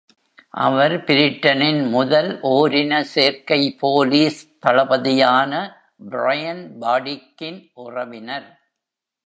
அவர் பிரிட்டனின் முதல் ஓரின சேர்க்கை போலீஸ் தளபதியான பிரையன் பாடிக்கின் உறவினர்.